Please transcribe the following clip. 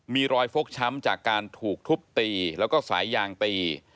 มีรอยฟกช้ำจากการถูกทุบตีแล้วก็สายยางตี